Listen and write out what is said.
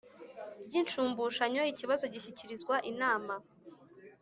Ry inshumbushanyo ikibazo gishyikirizwa inama